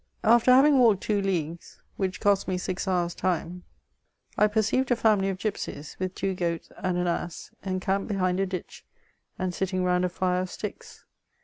After having walked two leagues, which cost me six hours' time, I perceived a family of gipsies, with two goats and an ass, encamped behind a ditch, and sitting round a fire of sticks.